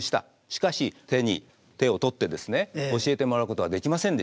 しかし手に手を取って教えてもらうことはできませんでした。